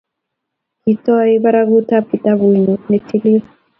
ki toi barakutab kitabut nyu ne tilil